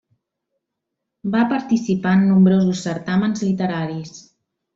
Va participar en nombrosos certàmens literaris.